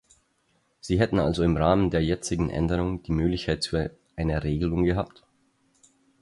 Sie hätten also im Rahmen der jetzigen Änderung die Möglichkeit zu einer Regelung gehabt.